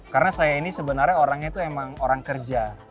karena saya ini sebenarnya orangnya itu memang orang kerja